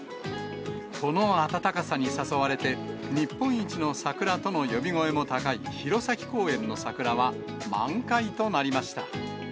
この暖かさに誘われて、日本一の桜との呼び声も高い弘前公園の桜は、満開となりました。